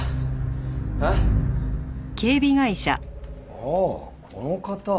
ああこの方。